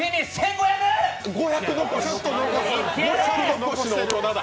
５００残し。